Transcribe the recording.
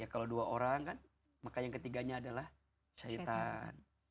kalau dua orang kan maka yang ketiganya adalah syahitan